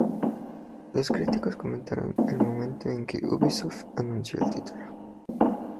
Los críticos comentaron el momento en que Ubisoft anunció el título.